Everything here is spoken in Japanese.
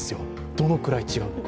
どのくらい違うのか。